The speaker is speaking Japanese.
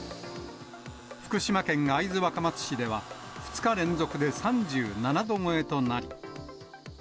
福島県会津若松市では、２日連続で３７度超えとなり。